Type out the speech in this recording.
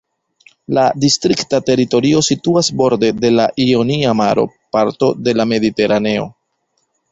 La distrikta teritorio situas borde de la Ionia Maro, parto de la Mediteraneo.